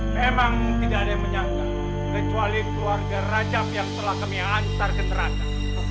memang tidak ada yang menyangka kecuali keluarga rajab yang telah kami antar ke neraka